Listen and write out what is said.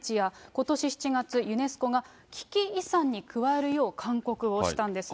ことし７月、ユネスコが危機遺産に加えるよう勧告をしたんですね。